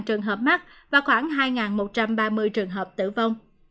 có hai trăm ba mươi chín trường hợp mắc và khoảng hai một trăm ba mươi trường hợp tử vong